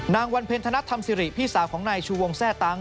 นางวันเพ็ญธนัดธรรมสิริพี่สาวของในชูวงแซ่ตังค์